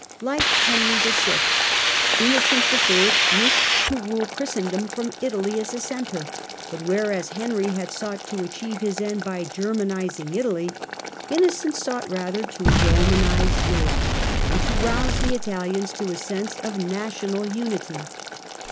Like Henry VI., Innocent III. wished to rule Christendom from Italy as a centre, but whereas Henry had sought to achieve his end by Germanizing Italy, Innocent sought rather to Komanize Europe, and to rouse the Italians to a sense of national unity.